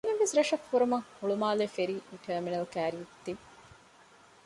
އެންމެންވެސް ރަށަށް ފުރުމަށް ހުޅުމާލޭ ފެރީ ނާމިނަލް ކައިރީގައި ތިވި